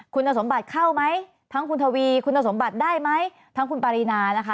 คุณสมบัติเข้าไหมทั้งคุณทวีคุณสมบัติได้ไหมทั้งคุณปารีนานะคะ